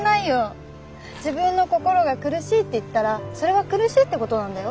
自分の心が苦しいって言ったらそれは苦しいってことなんだよ。